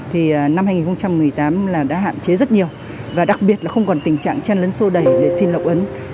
thì năm hai nghìn một mươi tám đã hạn chế rất nhiều và đặc biệt là không còn tình trạng chen lấn sâu đầy để xin lộc ấn